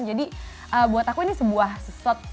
jadi buat aku ini sebuah sesuatu yang memberikan kekuatan